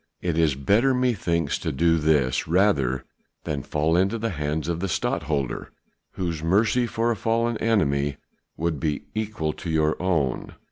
It is better methinks to do this rather than fall into the hands of the Stadtholder, whose mercy for a fallen enemy would be equal to your own."